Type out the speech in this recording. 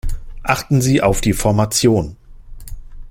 Achten Sie auf die Formation.